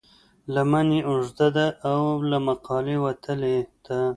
لمن یې اوږده ده او له مقالې وتلې ده.